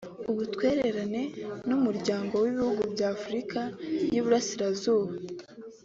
Ubutwererane n’Umuryango w’Ibihugu bya Afurika y‘Iburasirazuba